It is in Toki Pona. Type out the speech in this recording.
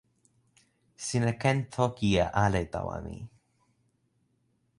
sina ken toki e ale tawa mi.